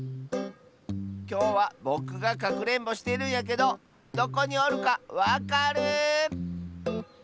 きょうはぼくがかくれんぼしてるんやけどどこにおるかわかる？